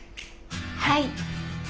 はい。